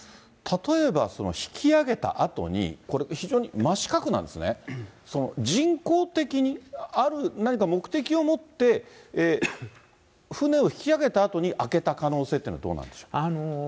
例えば引き揚げたあとに、非常に真四角なんですね、人工的にある何か目的を持って、船を引き揚げたあとに開けた可能性というのはどうなんでしょう？